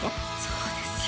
そうですよ